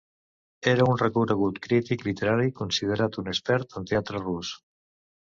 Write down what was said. Era un reconegut crític literari, considerat un expert en teatre rus.